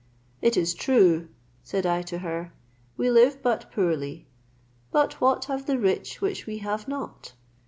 "It is true," said I to her, "we live but poorly; but what have the rich which we have not?